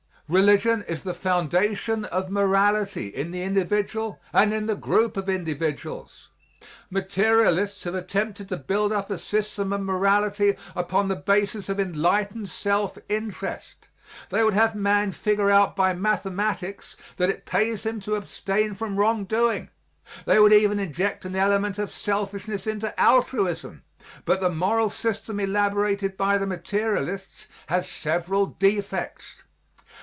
Religion is the foundation of morality in the individual and in the group of individuals. Materialists have attempted to build up a system of morality upon the basis of enlightened self interest. They would have man figure out by mathematics that it pays him to abstain from wrong doing; they would even inject an element of selfishness into altruism, but the moral system elaborated by the materialists has several defects.